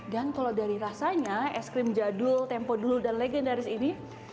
dan kalau dari rasanya es krim jadul tempodul dan legendaris ini